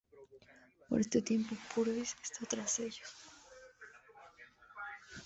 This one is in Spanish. Por este tiempo Purvis está tras ellos.